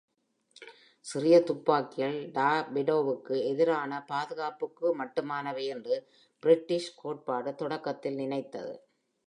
சிறிய துப்பாக்கிகள் டார்பெடோவுக்கு எதிரான பாதுகாப்புக்குமட்டுமானவை என்று பிரிட்டிஷ் கோட்பாடு தொடக்கத்தில் நினைத்தது.